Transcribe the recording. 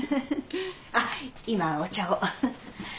あっ今お茶を。